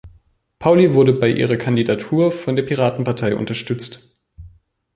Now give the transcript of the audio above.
Pauli wurde bei ihrer Kandidatur von der Piratenpartei unterstützt.